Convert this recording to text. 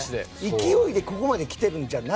勢いでここまで来ているわけじゃない。